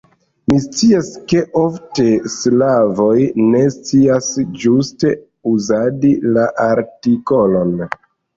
Mi scias, ke ofte slavoj ne scias ĝuste uzadi la artikolon.